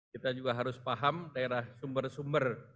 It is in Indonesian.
kita juga harus paham daerah sumber sumber